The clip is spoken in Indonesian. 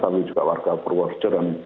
tapi juga warga purworejo dan